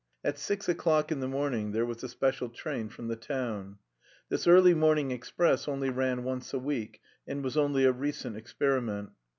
At six o'clock in the morning there was a special train from the town. This early morning express only ran once a week, and was only a recent experiment.